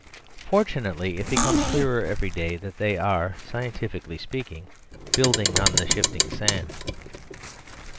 Fortunately, it becomes clearer every day that they are, scientifically speaking, building on the shifting sand.